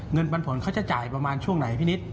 เงินปันผลจะจ่ายประมาณช่วงไหนพี่นิ๊ด